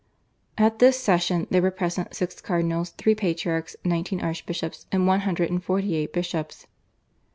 At this session there were present six cardinals, three patriarchs, nineteen archbishops, and one hundred and forty eight bishops.